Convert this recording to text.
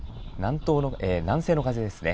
南西の風ですね。